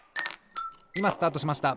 いまスタートしました。